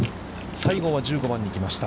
西郷は１５番に来ました。